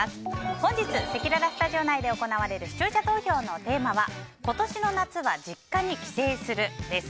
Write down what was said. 本日せきららスタジオ内で行われる視聴者投票のテーマは今年の夏は実家に帰省するです。